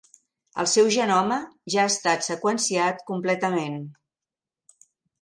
El seu genoma ja ha estat seqüenciat completament.